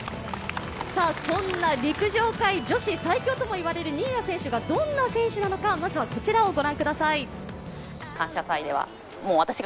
そんな陸上界女子最強ともいわれる新谷選手がどんな選手なのか、まずはこちらをご覧ください。